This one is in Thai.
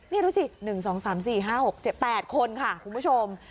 นี่ดูสิ๑๒๓๔๕๖๘คนค่ะคุณผู้ชม